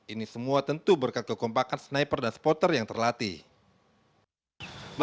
ini semua tentu berkat kekompakan sniper dan spotter yang sangat berhasil menembak